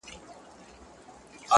زه دې د سترگو په سکروټو باندې وسوځلم~